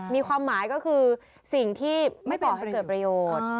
มีความหมายก็คือสิ่งที่ไม่ก่อให้เกิดประโยชน์